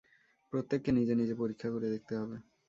প্রত্যেককে নিজে নিজে পরীক্ষা করে দেখতে হবে।